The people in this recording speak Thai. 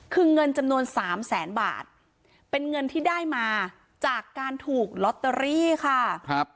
คือเงินจำนวนสามแสนบาทเป็นเงินที่ได้มาจากการถูกลอตเตอรี่ค่ะครับ